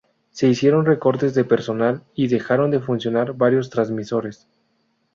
Se hicieron recortes de personal y dejaron de funcionar varios transmisores.